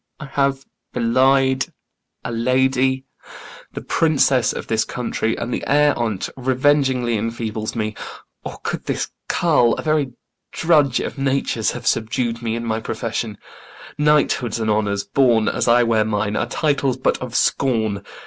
I have belied a lady, The Princess of this country, and the air on't Revengingly enfeebles me; or could this carl, A very drudge of nature's, have subdu'd me In my profession? Knighthoods and honours borne As I wear mine are titles but of scorn.